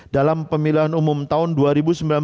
tiga pertanyaan pertanyaan